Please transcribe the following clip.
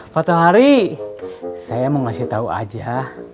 pak tuhari saya mau ngasih tau aja